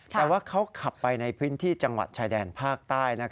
แต่ว่าเขาขับไปในพื้นที่จังหวัดชายแดนภาคใต้